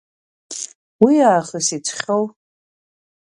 Уиаахыс иҵхьоу…